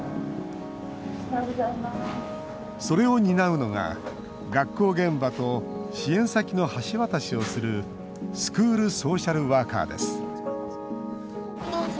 それを担うのが学校現場と支援先の橋渡しをするスクールソーシャルワーカーです。